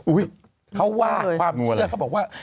เขาว่าความเชื่อเขาบอกว่า